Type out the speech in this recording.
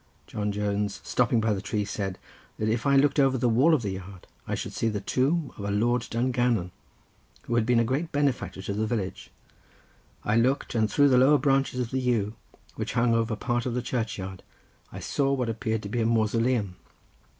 John Jones stopping by the tree said, that if I looked over the wall of the yard I should see the tomb of a Lord Dungannon, who had been a great benefactor to the village. I looked, and through the lower branches of the yew, which hung over part of the churchyard, I saw what appeared to be a mausoleum.